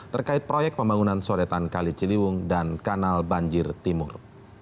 terkait proyek pembangunan sodetan kali ciliwung dan kanal banjir timur